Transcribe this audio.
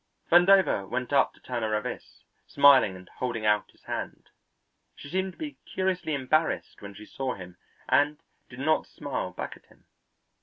Vandover went up to Turner Ravis smiling and holding out his hand. She seemed to be curiously embarrassed when she saw him, and did not smile back at him.